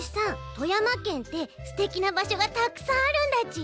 富山県ってすてきなばしょがたくさんあるんだち？